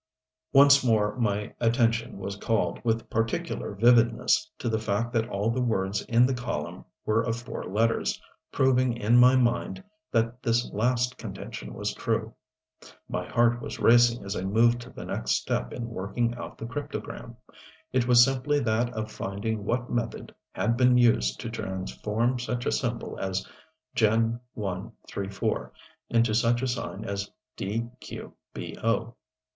Once more my attention was called, with particular vividness, to the fact that all the words in the column were of four letters, proving in my mind that this last contention was true. My heart was racing as I moved to the next step in working out the cryptogram. It was simply that of finding what method had been used to transform such a symbol as "Gen. 1, 3, 4" into such a sign as "dqbo."